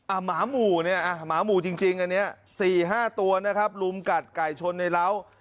อ่าหมาหมู่เนี่ยอ่าหมาหมู่จริงจริงอันเนี้ย๔๕ตัวนะครับลุมกัดไก่ชนในล้าว